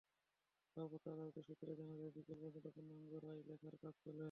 সর্বোচ্চ আদালত সূত্রে জানা যায়, বিকেল পর্যন্ত পূর্ণাঙ্গ রায় লেখার কাজ চলে।